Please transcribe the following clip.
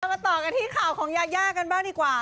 มาต่อกันที่ข่าวของยายากันบ้างดีกว่า